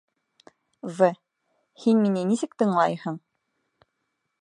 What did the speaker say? В., һин мине нисек тыңлайһың?